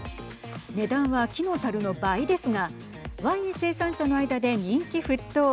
値段は、木のたるの倍ですがワイン生産者の間で人気沸騰。